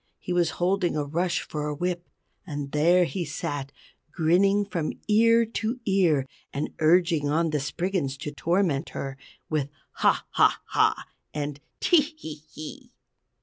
He was holding a rush for a whip. And there he sat grinning from ear to ear, and urging on the Spriggans to torment her, with "Haw! Haw! Haw!" and "Tee! Hee! Hee!"